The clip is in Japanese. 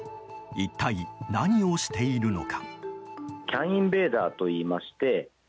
一体何をしているのか。